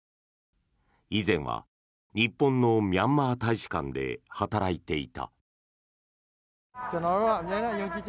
以前は日本のミャンマー大使館で働いていた。